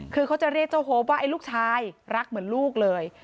คือเขาจะเรียกเจ้าโฮปว่าไอ้ลูกชายรักเหมือนลูกเลย